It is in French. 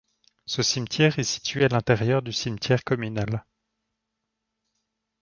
Ce cimetière est situé à l'intérieur du cimetière communal.